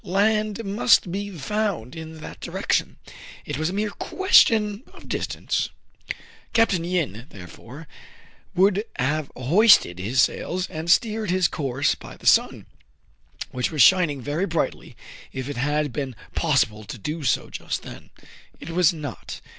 Land must be found in that direction. It was a mere question of distance. Capt. Yin, therefore, would have hoisted his sails, and steered his course by the sun, which was shining very brightly, if it had been possible to do so just then. It was not.